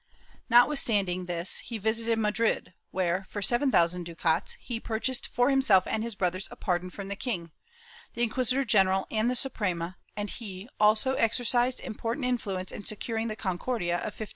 Notwithstanding this he visited Madrid where, for seven thou sand ducats, he purchased for himself and his brothers a pardon from the king, the inquisitor general and the Suprema, and he also exercised important influence in securing the Concordia of 1571.